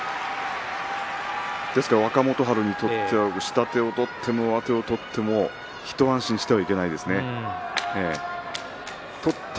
若元春にとっては下手を取っても上手を取ってもひと安心してはいけません。